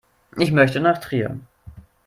Ich möchte nach Trier